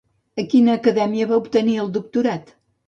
En quina acadèmia va obtenir el doctorat?